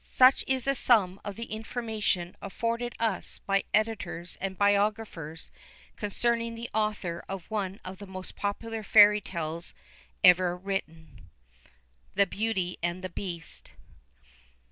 Such is the sum of the information afforded us by editors and biographers, concerning the author of one of the most popular fairy tales ever written. THE BEAUTY AND THE BEAST.